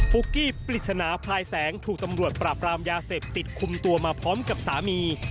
ุ๊กกี้ปริศนาพลายแสงถูกตำรวจปราบรามยาเสพติดคุมตัวมาพร้อมกับสามี